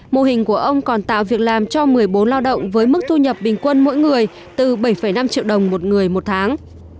mô hình của ông còn tạo việc làm cho một mươi bốn lao động với mức thu nhập bình quân mỗi người từ bảy năm triệu đồng một người một tháng